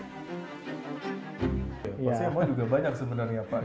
pasti emang juga banyak sebenarnya pak